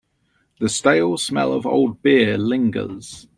The stale smell of old beer lingers.